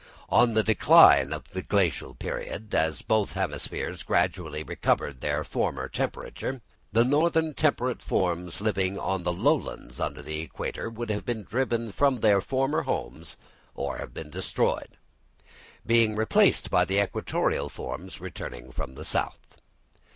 On the decline of the Glacial period, as both hemispheres gradually recovered their former temperature, the northern temperate forms living on the lowlands under the equator, would have been driven to their former homes or have been destroyed, being replaced by the equatorial forms returning from the south.